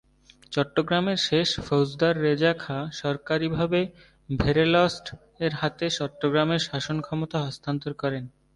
চট্টগ্রামের শেষ ফৌজদার রেজা খাঁ সরকারীভাবে ভেরেলস্ট-এর হাতে চট্টগ্রামের শাসন ক্ষমতা হস্তান্তর করেন।